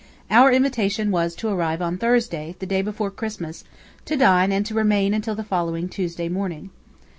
Our invitation was to arrive on Thursday, the day before Christmas, to dine, and to remain until the following Tuesday morning.